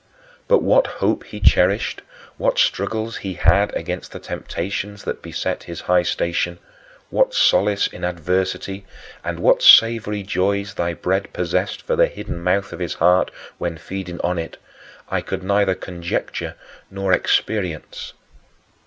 But what hope he cherished, what struggles he had against the temptations that beset his high station, what solace in adversity, and what savory joys thy bread possessed for the hidden mouth of his heart when feeding on it, I could neither conjecture nor experience.